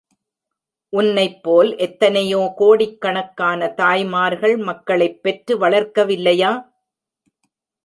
உன்னைப்போல் எத்தனையோ கோடிக்கணக்கான தாய்மார்கள் மக்களைப் பெற்று வளர்க்கவில்லையா?